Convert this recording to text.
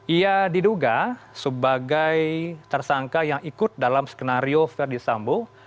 ia diduga sebagai tersangka yang ikut dalam skenario ferdisambo